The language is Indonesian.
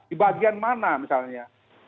di bagian mana misalnya